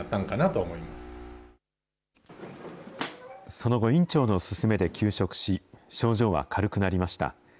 その後、院長の勧めで休職し、症状は軽くなりました。